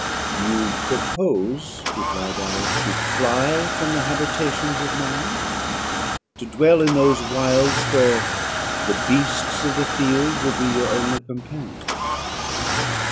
"You propose," replied I, "to fly from the habitations of man, to dwell in those wilds where the beasts of the field will be your only companions.